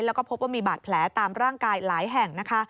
แล้วก็พบว่ามีบาดแผลตามร่างกายหลายแห่งนะคะ